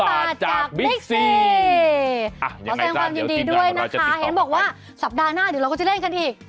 ยังไงครับเดี๋ยวกินงานกันเราจะติดต่อมาก่อนนะคะเห็นบอกว่าสัปดาห์หน้าเดี๋ยวเราก็จะเล่นกันอีก